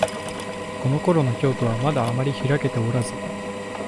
このころの京都は、まだあまりひらけておらず、